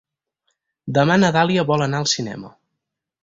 Demà na Dàlia vol anar al cinema.